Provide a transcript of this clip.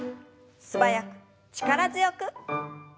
素早く力強く。